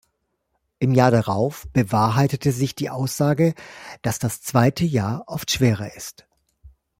Im Jahr darauf bewahrheitete sich die Aussage, dass das zweite Jahr oft schwerer ist.